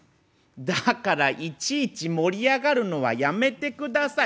だからいちいち盛り上がるのはやめてください。